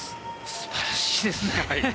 素晴らしいですね。